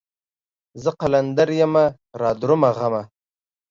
زه قلندر يمه رادرومه غمه